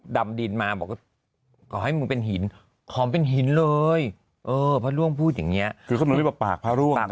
ดำดินมาบอกก็ขอให้มึงเป็นหินขอมเป็นหินเลยเออพระร่วงพูดอย่างเนี่ยคือก็มีแบบปากพระร่วงใช่ไหม